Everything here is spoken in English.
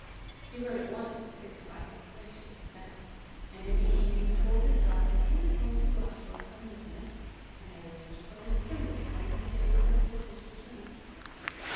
He wrote at once to signify his gracious assent; and in the evening told his daughter he was going to Glashruach on business, and had arranged for Miss Kimble to come and stay with her till his return.